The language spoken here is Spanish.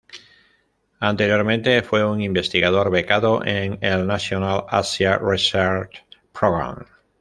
Anteriormente fue un investigador becado en el National Asia Research Program.